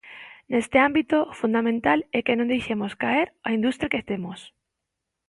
Neste ámbito, o fundamental é que non deixemos caer a industria que temos.